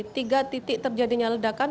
tiga titik terjadinya ledakan